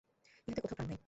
ইহাতে কোথাও প্রাণ নাই।